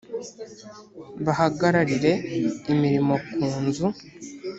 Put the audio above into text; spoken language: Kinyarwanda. bahagararire imirimo ku nzu